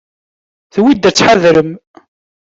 Tewwi-d ad tḥadrem.